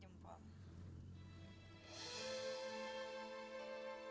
dia mau hidup susah dengan saya